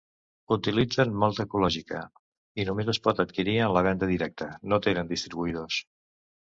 Utilitzen malta ecològica i només es pot adquirir en la venda directa, no tenen distribuïdors.